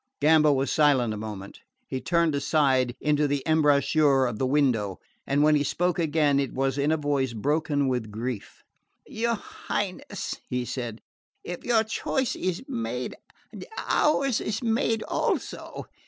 Gamba was silent a moment. He turned aside into the embrasure of the window, and when he spoke again it was in a voice broken with grief. "Your Highness," he said, "if your choice is made, ours is made also.